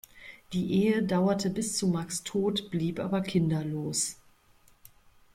Die Ehe dauerte bis zu Max’ Tod, blieb aber kinderlos.